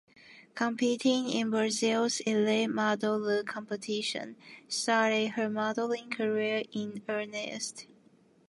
Competing in Brazil's Elite Model Look competition started her modeling career in earnest.